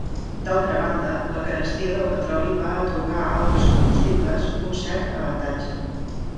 D'altra banda, la carestia del petroli va atorgar a altres combustibles un cert avantatge.